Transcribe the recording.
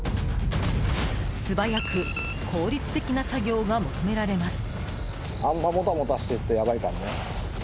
素早く効率的な作業が求められます。